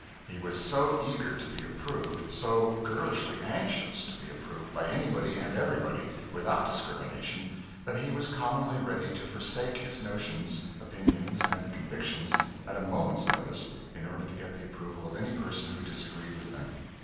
He was so eager to be approved, so girlishly anxious to be approved by anybody and everybody, without discrimination, that he was commonly ready to forsake his notions, opinions and convictions at a moment's notice in order to get the approval of any person who disagreed with them.